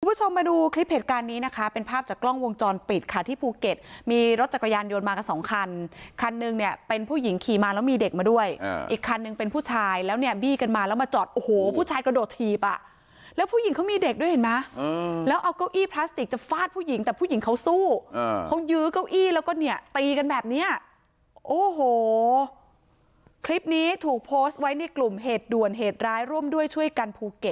คุณผู้ชมมาดูคลิปเหตุการณ์นี้นะคะเป็นภาพจากกล้องวงจรปิดค่ะที่ภูเก็ตมีรถจักรยานโดนมากับสองคันคันหนึ่งเนี่ยเป็นผู้หญิงขี่มาแล้วมีเด็กมาด้วยอีกคันหนึ่งเป็นผู้ชายแล้วเนี่ยบีกันมาแล้วมาจอดโอ้โหผู้ชายกระโดดทีบอ่ะแล้วผู้หญิงเขามีเด็กด้วยเห็นไหมอืมแล้วเอาเก้าอี้พลาสติกจะฟาดผู้หญ